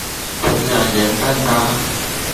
土壤鹽分高